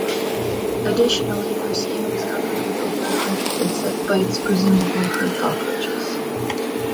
Additionally, her skin was covered with over a hundred insect bites, presumably from cockroaches.